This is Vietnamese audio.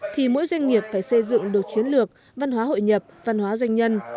thì mỗi doanh nghiệp phải xây dựng được chiến lược văn hóa hội nhập văn hóa doanh nhân